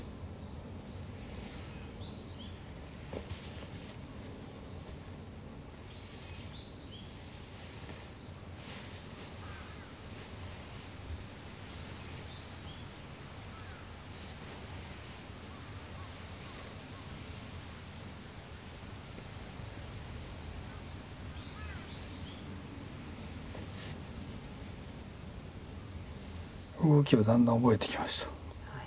動きをだんだん覚えてきました。